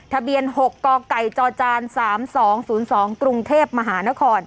ทะเบียน๖กไก่จจ๓๒๐๒กรุงเทพมหานคร